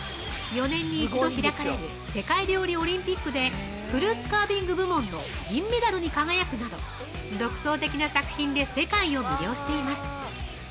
４年に１度開かれる世界料理オリンピックでフルーツカービング部門の銀メダルに輝くなど、独創的な作品で世界を魅了しています。